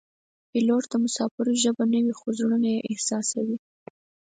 پیلوټ د مسافرو ژبه نه وي خو زړونه یې احساسوي.